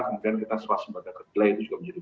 kemudian kita swasmbada ke delay itu juga menjadi